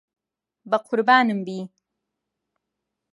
بەقوربانم بی.